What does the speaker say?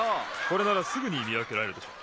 これならすぐにみわけられるでしょ。